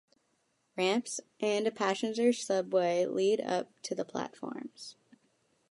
Ramps and a passenger subway lead up to the platforms.